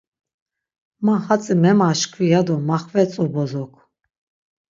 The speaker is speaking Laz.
Ma hatzi memaşkvi ya do maxvetzu bozok.